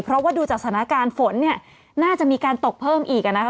เพราะว่าดูจากสถานการณ์ฝนเนี่ยน่าจะมีการตกเพิ่มอีกอ่ะนะคะ